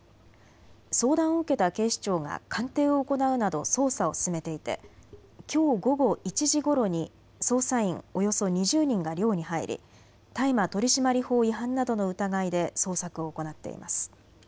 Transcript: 相談を受けた警視庁が鑑定を行うなど捜査を進めていてきょう午後１時ごろに捜査員およそ２０人が寮に入り大麻取締法違反などの疑いで捜索を行っています。